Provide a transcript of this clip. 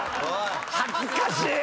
恥ずかしい！